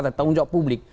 tanggung jawab publik